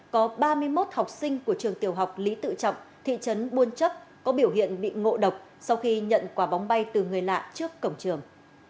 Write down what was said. có ba mươi một học sinh của trường tiểu học lý tự trọng thị trấn buôn chấp có biểu hiện bị ngộ độc sau khi nhận quả bóng bay từ người lạ trước cổng trường